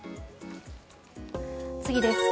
次です。